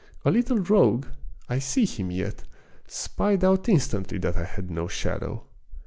A little rogue, I see him yet, spied out instantly that I had no shadow.